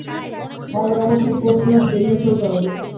আমাদের অবশ্যই coast road এড়িয়ে চলতে হবে।